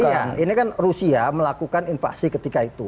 iya ini kan rusia melakukan invasi ketika itu